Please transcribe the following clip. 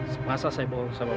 semasa saya bawa bersama bapak